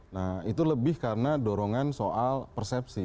nah itu lebih karena dorongan soal persepsi